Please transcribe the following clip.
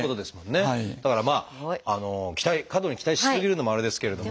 だからまあ期待過度に期待し過ぎるのもあれですけれど。